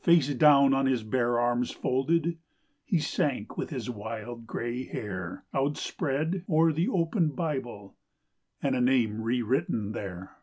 Face down on his bare arms folded he sank with his wild grey hair Outspread o'er the open Bible and a name re written there.